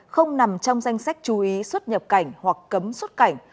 không nằm trong danh sách chú ý xuất nhập cảnh hoặc cấm xuất cảnh